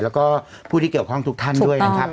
แล้วก็ผู้ที่เกี่ยวข้องทุกท่านด้วยนะครับ